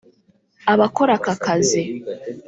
Abakora aka kazi